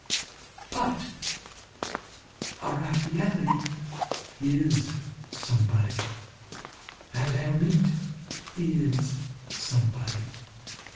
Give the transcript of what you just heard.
But a Raffaëlli is somebody, a Lhermitte is somebody.